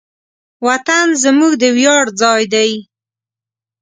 وطن زموږ د ویاړ ځای دی.